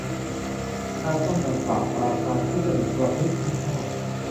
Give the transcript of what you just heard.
การป้องกัน ปราบปรามการทุจริตประพฤติมิชอบ